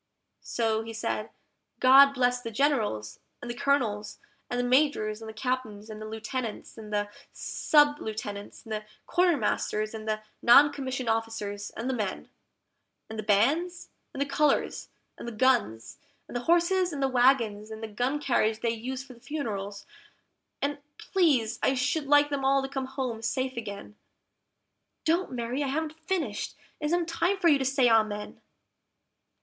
So he said, "GOD bless the Generals, and the Colonels, and the Majors, and the Captains, and the Lieutenants, and the Sub lieutenants, and the Quartermasters, and the non commissioned officers, and the men; And the bands, and the colours, and the guns, and the horses and the wagons, and the gun carriage they use for the funerals; and please I should like them all to come home safe again. (Don't, Mary! I haven't finished; it isn't time for you to say Amen.)